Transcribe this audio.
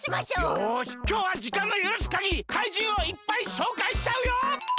よしきょうはじかんのゆるすかぎり怪人をいっぱいしょうかいしちゃうよ！